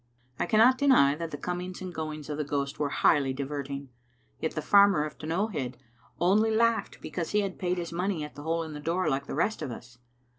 I cannot deny that the comings and goings of the ghost were highly diverting, yet the farmer of T'nowhead only laughed because he had paid his money at the hole in the door like the rest of us.